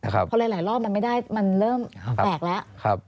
มันไม่ได้หลายรอบมันไม่ได้มันเริ่มแปลกแล้ว